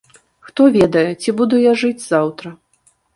Хто ведае, ці буду я жыць заўтра.